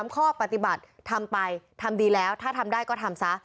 ข้อปฏิบัติทำไปทำดีแล้วถ้าทำได้ก็ทำซะ